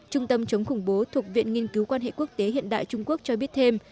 trung tâm chống khủng bố thuộc viện nghiên cứu quan hệ quốc tế hiện đại trung quốc cho biết thêm